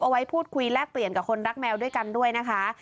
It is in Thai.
เอาไว้พูดคุยแลกเปลี่ยนกับคนรักแมวด้วยกันด้วยนะคะ